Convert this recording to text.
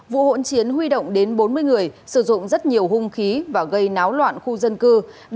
vụ hỗn chiến huy động đến bốn mươi người sử dụng rất nhiều hung khí và gây náo loạn khu dân cư